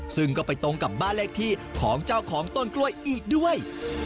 ซึ่งก็ไปตรงกับบ้านเลขที่ของเจ้าของต้นกล้วยอีกด้วย